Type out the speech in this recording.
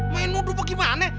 main nudu bagaimana